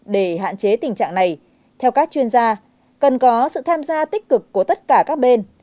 để hạn chế tình trạng này theo các chuyên gia cần có sự tham gia tích cực của tất cả các bên